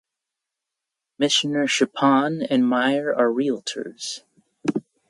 Commissioner Schuppan and Meyer are Realtors.